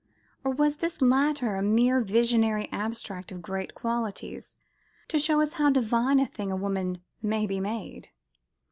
or was this latter a mere visionary abstract of great qualities, "to show us how divine a thing a woman may be made"?